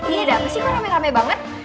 iya dah masih kok rame rame banget